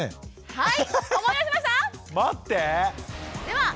はい。